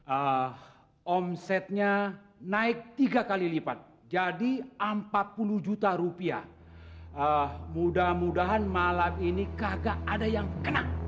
ah omsetnya naik tiga kali lipat jadi rp empat puluh juta mudah mudahan malam ini kagak ada yang kena